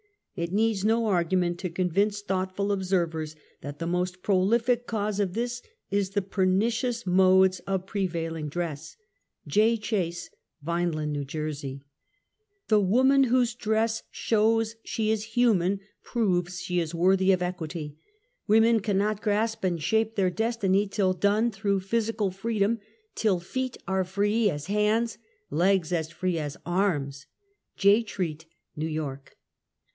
It needs no argu ment to convince thoughtful observers that the most prolific cause of this is the pernicious moles of pre vailing dress. J. Chase, Vineland, K J. 100 UNMASKED. The woman whose dress shows she is human proves she is worthy of equity. Women cannot grasp and shape their destiny till done through physical freedom, till feet are free as hands, legs as free as arms. J. Treat, New York.